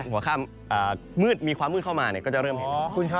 อันนั้นมีความมืดเข้ามาก็จะเริ่มเห็น